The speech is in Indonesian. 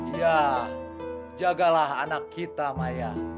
ya jagalah anak kita maya